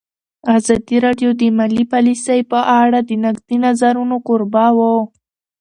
ازادي راډیو د مالي پالیسي په اړه د نقدي نظرونو کوربه وه.